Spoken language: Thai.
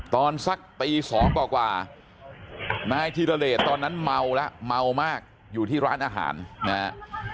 ตอนสักตี๒กว่านายธิรเดชตอนนั้นเมาแล้วเมามากอยู่ที่ร้านอาหารนะฮะ